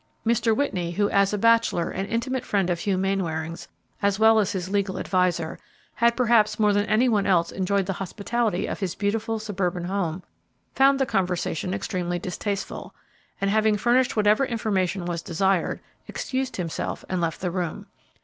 Mr. Whitney, who, as a bachelor and an intimate friend of Hugh Mainwaring's, as well as his legal adviser, had perhaps more than any one else enjoyed the hospitality of his beautiful suburban home, found the conversation extremely distasteful, and, having furnished whatever information was desired, excused himself and left the room.